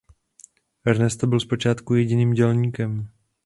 Ernesto byl zpočátku jediným dělníkem.